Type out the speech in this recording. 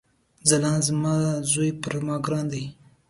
ځلاند زما ځوي پر ما ګران دی